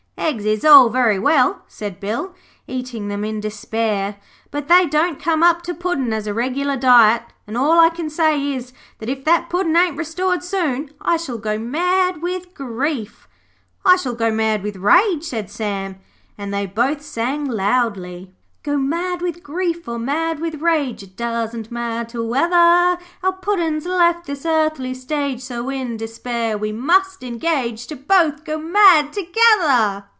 'Eggs is all very well,' said Bill, eating them in despair, 'but they don't come up to Puddin' as a regular diet, and all I can say is, that if that Puddin' ain't restored soon I shall go mad with grief.' 'I shall go mad with rage,' said Sam, and they both sang loudly 'Go mad with grief or mad with rage, It doesn't matter whether; Our Puddin's left this earthly stage, So in despair we must engage To both go mad together.'